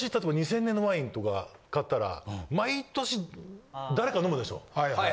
毎年、例えば２０００年のワインとか買ったら、毎年誰か飲むでしょ。